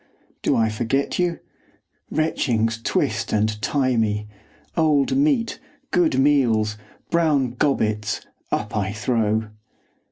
Do I forget you? Retchings twist and tie me, Old meat, good meals, brown gobbets, up I throw.